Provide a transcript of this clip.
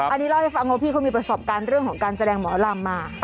อันนี้เล่าให้ฟังว่าพี่เขามีประสบการณ์เรื่องของการแสดงหมอลำมา